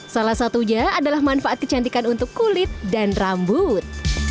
salah satunya adalah manfaat kecantikan untuk kulit dan rambut